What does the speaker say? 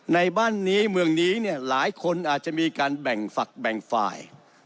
ในบ้านนี้เมืองนี้เนี่ยหลายคนอาจจะมีการแบ่งฝักแบ่งฝ่าย